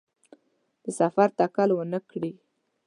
د سفر تکل ونکړي.